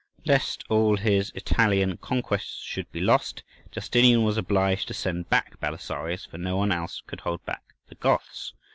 Lest all his Italian conquests should be lost, Justinian was obliged to send back Belisarius, for no one else could hold back the Goths.